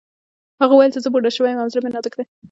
هغه وویل چې زه بوډا شوی یم او زړه مې نازک دی